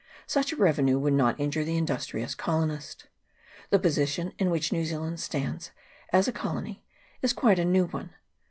Such a revenue would not injure the industrious colonist. The position in which New Zealand stands as a colony is quite a new one.